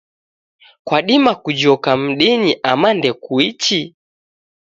Kwadima kujoka mdinyi ama ndekuichi?